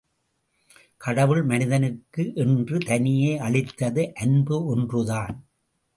கடவுள் மனிதனுக்கு என்று தனியே அளித்தது அன்பு ஒன்றுதான்.